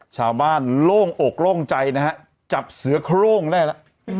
ชาวบ้านโล่งอกโล่งใจนะฮะจับเสือนโคร่งแน่แล้วน่ะ